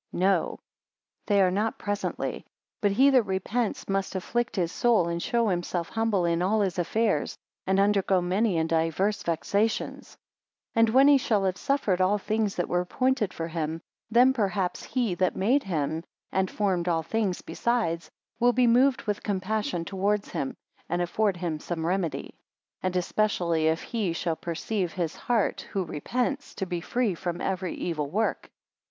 10 No, they are not presently; but he that repents must afflict his soul and show himself humble in all his affairs, and undergo many and divers vexations. 11 And when he shall have suffered all things that were appointed for him; then perhaps HE that made him, and formed all things besides, will be moved with compassion towards him, and afford him some remedy; and especially if HE shall perceive his heart who repents, to be free from every evil work.